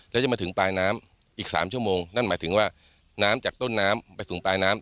แล้วจะมาถึงปลายน้ำอีก๓ชั่วโมงนั่นหมายถึงว่าน้ำจากต้นน้ำไปสู่ปลายน้ำ